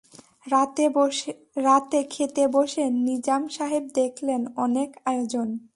রাতে খেতে বসে নিজাম সাহেব দেখলেন, অনেক আয়োজন।